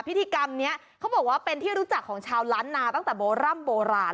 พิธีกรรมนี้เขาบอกว่าเป็นที่รู้จักของชาวล้านนาตั้งแต่โบร่ำโบราณ